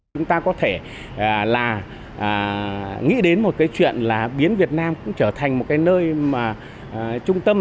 chúng ta có thể nghĩ đến một chuyện là biến việt nam trở thành một nơi trung tâm